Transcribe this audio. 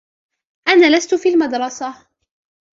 أنا لست في المدرسة.